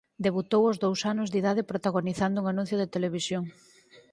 Debutou ós dous anos de idade protagonizando un anuncio de televisión.